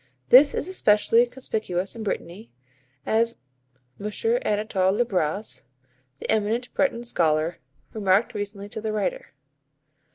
This is especially conspicuous in Brittany, as M. Anatol Le Braz, the eminent Breton scholar, remarked recently to the writer.